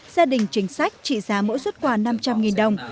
gia đình chính sách trị giá mỗi xuất quà năm trăm linh đồng